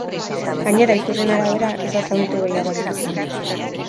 Gainera, iturrien arabera, ez da zauritu gehiagorik izan.